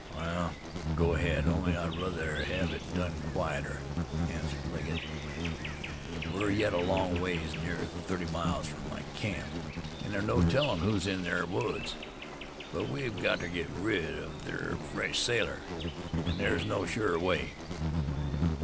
"Wal, go ahead, only I ruther hev it done quieter," answered Legget. "We're yet a long ways, near thirty miles, from my camp, an' there's no tellin' who's in ther woods. But we've got ter git rid of ther fresh sailor, an' there's no surer way."